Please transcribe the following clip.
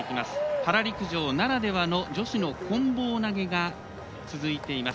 パラ陸上ならではの女子のこん棒投げが続いています。